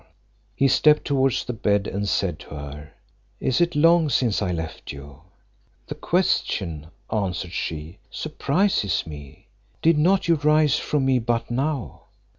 He stepped towards the bed, and said to her, "Is it long since I left you?" "The question," answered she, "surprises me. Did not you rise from me but now?